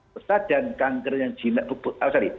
perusahaan dan kanker yang jinak